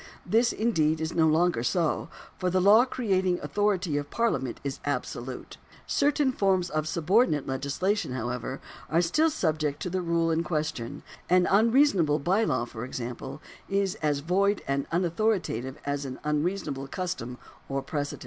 This, indeed, is no longer so ; for the law creating authority of Parliament is absolute. Certain forms of sub ordinate legislation, however, are still subject to the rule in question ; an unreasonable by law, for example, is as void and unauthoritative as an unreasonable custom or precedent.